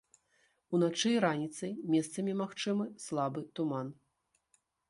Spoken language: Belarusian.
Уначы і раніцай месцамі магчымы слабы туман.